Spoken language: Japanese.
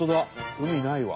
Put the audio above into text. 海ないわ。